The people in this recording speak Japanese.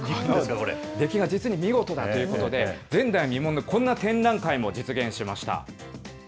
これ、出来が実に見事だということで、前代未聞の、こんな展覧会も実現しました。